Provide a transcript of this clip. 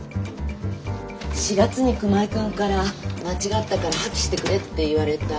４月に熊井君から「間違ったから破棄してくれ」って言われた契約書。